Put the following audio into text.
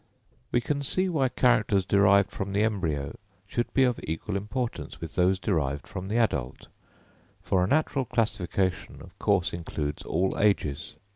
We can see why characters derived from the embryo should be of equal importance with those derived from the adult, for a natural classification of course includes all ages.